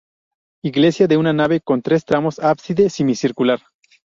Iglesia de una nave con tres tramos, ábside semicircular.